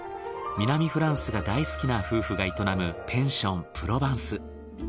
南フランスが大好きな夫婦が営むペンションＰＲＯＶＥＮＣＥ。